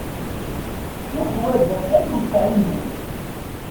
Uḥwaǧeɣ kan lewseɛ-inu.